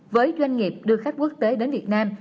với doanh nghiệp đưa khách quốc tế đến việt nam